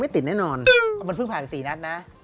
ติดแน่นอนมันเพิ่งผ่านไป๔นัดนะ